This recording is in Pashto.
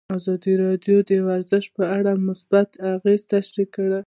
ازادي راډیو د ورزش په اړه مثبت اغېزې تشریح کړي.